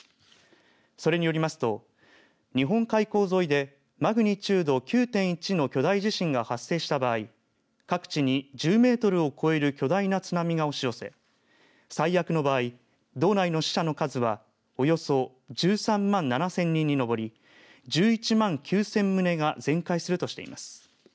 それによりますと日本海溝沿いでマグニチュード９．１の巨大地震が発生した場合各地に１０メートルを超える巨大な津波が押し寄せ最悪の場合道内の死者の数はおよそ１３万７０００人に上り１１万９０００棟が全壊するとしています。